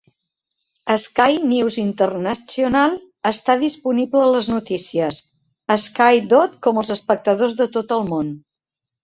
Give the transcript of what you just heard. Sky News International està disponible a les notícies. Sky dot com als espectadors de tot el món.